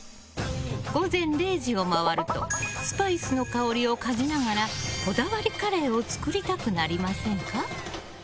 午前０時を回るとスパイスの香りをかぎながらこだわりカレーを作りたくなりませんか？